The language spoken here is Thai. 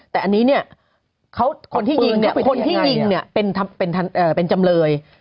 แต่อันนี้เนี่ยคนที่ยิงเนี่ยเป็นจำเลย